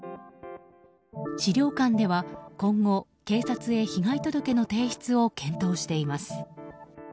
資料館では今後、警察へ被害届の提出を検討しています。